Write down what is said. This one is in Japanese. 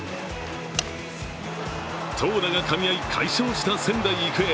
投打がかみ合い、快勝した仙台育英。